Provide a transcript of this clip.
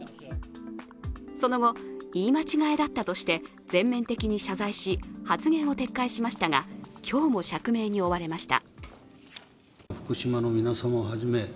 その後、言い間違えだったとして全面的に謝罪し、発言を撤回しましたが今日も釈明に追われました。